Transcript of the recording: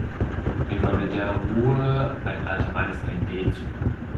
Immer mit der Ruhe, ein alter Mann ist kein D-Zug.